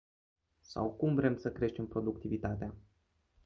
Sau cum vrem să creștem productivitatea?